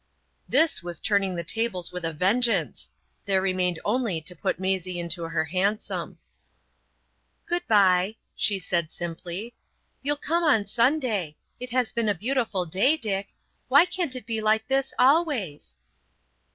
This was turning the tables with a vengeance. There remained only to put Maisie into her hansom. "Good bye," she said simply. "You'll come on Sunday. It has been a beautiful day, Dick. Why can't it be like this always?"